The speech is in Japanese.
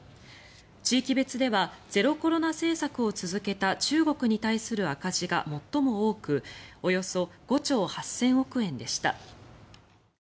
地域別ではゼロコロナ政策を続けた中国に対する赤字が最も多くおよそ５兆８０００億円でした。